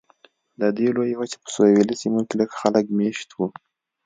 د دې لویې وچې په سویلي سیمو کې لږ خلک مېشت وو.